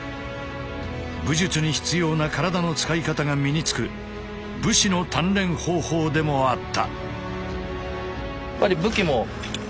武術に必要な体の使い方が身につく武士の鍛錬方法でもあった。